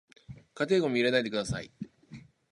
家庭ゴミを入れないでください